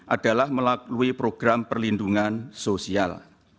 adalah melalui program perlindungan sosial